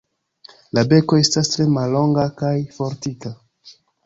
La beko estas tre mallonga kaj fortika.